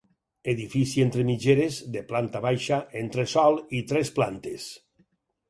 Edifici entre mitgeres, de planta baixa, entresòl i tres plantes.